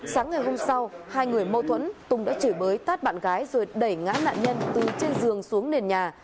sáng ngày hôm sau hai người mâu thuẫn tùng đã chửi bới tát bạn gái rồi đẩy ngã nạn nhân từ trên giường xuống nền nhà